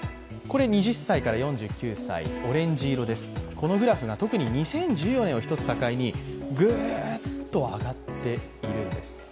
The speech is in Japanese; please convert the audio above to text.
このグラフ、特に２０１４年を境にぐーっと上がっているんです。